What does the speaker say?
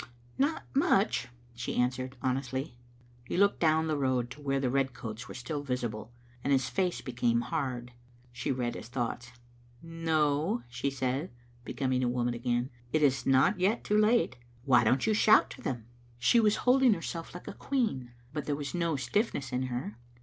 " Not much," she answered, honestly. He looked down the road to where the red coats were still visible, and his face became hard. She read his thoughts. " No," she said, becoming a woman again, "it is not yet too late. Why don't you shout to them?" She was holding herself like a queen, but there was no stiffness in her.